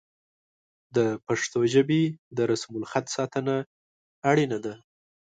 د پښتو ژبې د رسم الخط ساتنه اړینه ده.